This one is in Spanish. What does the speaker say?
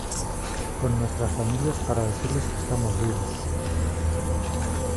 con nuestras familias para decirles que estamos vivos.